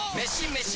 メシ！